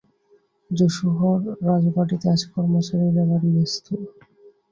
যশোহর রাজবাটিতে আজ কর্মচারীরা ভারি ব্যস্ত।